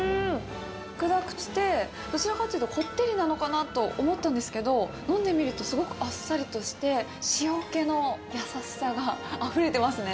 白濁して、どちらかというと、こってりなのかなと思ったんですけど、飲んでみるとすごくあっさりとして、塩気の優しさがあふれてますね。